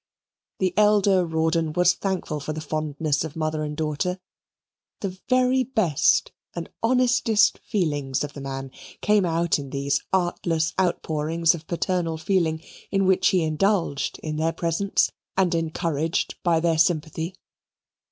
The elder Rawdon was thankful for the fondness of mother and daughter. The very best and honestest feelings of the man came out in these artless outpourings of paternal feeling in which he indulged in their presence, and encouraged by their sympathy.